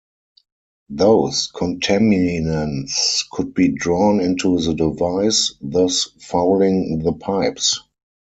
Those contaminants could be drawn into the device, thus fouling the pipes.